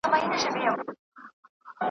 د بیګانوو د نظرونو څخه